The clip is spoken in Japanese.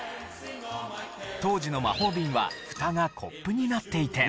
当時の魔法瓶はふたがコップになっていて。